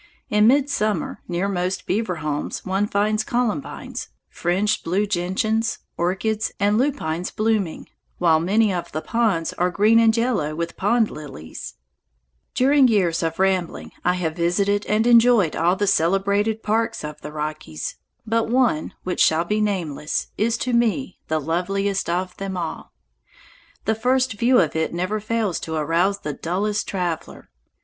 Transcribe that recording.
In midsummer, near most beaver homes one finds columbines, fringed blue gentians, orchids, and lupines blooming, while many of the ponds are green and yellow with pond lilies. [Illustration: ESTES PARK AND THE BIG THOMPSON RIVER FROM THE TOP OF MT. OLYMPUS] During years of rambling I have visited and enjoyed all the celebrated parks of the Rockies, but one, which shall be nameless, is to me the loveliest of them all. The first view of it never fails to arouse the dullest traveler.